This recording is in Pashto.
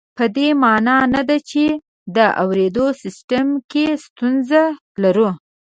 په دې مانا نه ده چې د اورېدو سیستم کې ستونزه لرو